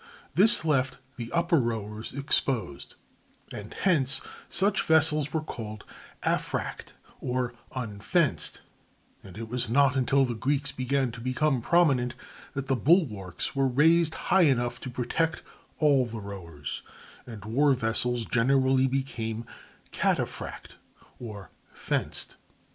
This left the upper rowers exposed, and hence such vessels were called aphract, or "unfenced"; and it was not until the Greeks began to become prominent that the bulwarks were raised high enough to protect all the rowers, and war vessels generally became cataphract, or "fenced."